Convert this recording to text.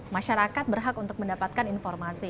masyarakat berhak untuk mendapatkan informasi